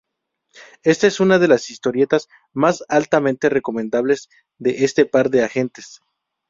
Esta es una de las historietas más altamente recomendables de este par de agentes.